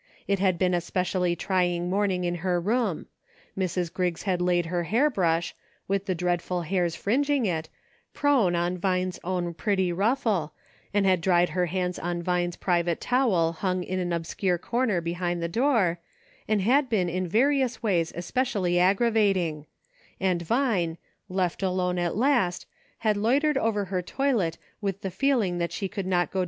It had been a specially trying morning in her room ; Mrs. Griggs had laid her hair brush, with the dreadful hairs fringing it, prone on Vine's own pretty ruffle' and had dried her hands on Vine's private towel hung in an obscure corner behind the door, and been in various ways especially aggrava ting ; and Vine, left alone at last, had loitered over her toilet with the feeling that she could not go 288 A GREAT MANY "LITTLE THINGS."